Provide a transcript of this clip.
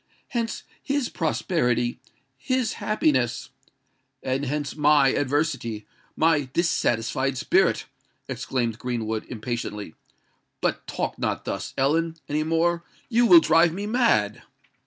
Hence his prosperity—his happiness——" "And hence my adversity—my dissatisfied spirit!" exclaimed Greenwood, impatiently. "But talk not thus, Ellen, any more: you will drive me mad!"